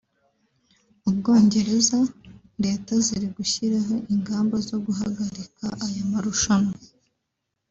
u Bwongereza … leta ziri gushyiraho ingamba zo guhagarika aya marushanwa